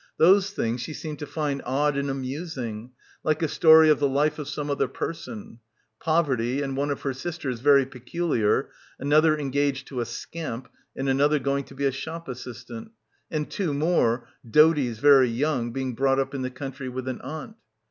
Those things she seemed to find odd and amusing, like a story of the life of some other person — poverty and one of her sisters Very peculiar/ — 279 — PILGRIMAGE another engaged to a scamp and another going to be a shop assistant, and two more, 'doties' very young, being brought up in the country with an aunt.